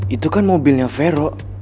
itu kan mobilnya vero